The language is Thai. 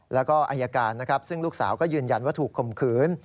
แล้วก็อายการนะครับซึ่งลูกสาวก็ยืนยันว่าถูกข่มขืน